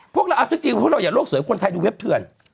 พวกเราจริงพวกเราอย่ะโลกสวยให้คนไทยดูเว็บเผื่อน